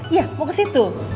iya mau ke situ